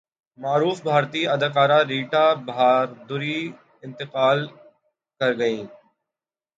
معروف بھارتی اداکارہ ریٹا بہادری انتقال کرگئیں